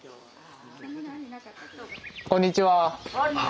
こんにちは。